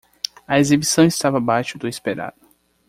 A exibição estava abaixo do esperado.